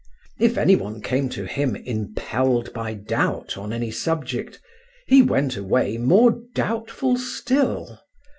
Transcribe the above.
If any one came to him impelled by doubt on any subject, he went away more doubtful still.